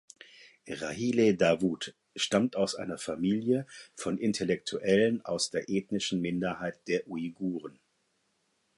Rahilä Dawut stammt aus einer Familie von Intellektuellen aus der ethnischen Minderheit der Uiguren.